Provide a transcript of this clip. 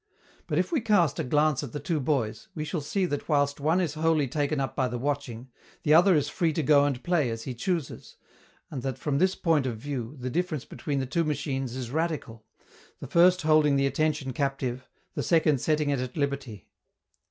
But if we cast a glance at the two boys, we shall see that whilst one is wholly taken up by the watching, the other is free to go and play as he chooses, and that, from this point of view, the difference between the two machines is radical, the first holding the attention captive, the second setting it at liberty.